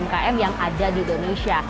ini adalah umkm yang ada di indonesia